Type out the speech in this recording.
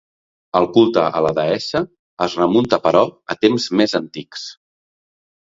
El culte a la deessa es remunta, però, a temps més antics.